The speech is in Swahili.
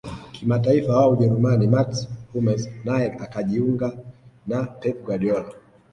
kimataifa wa ujerumani mats hummels naye akajiunga na pep guardiola